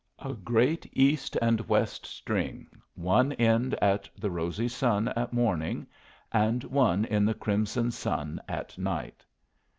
A great east and west string, one end in the rosy sun at morning, and one in the crimson sun at night.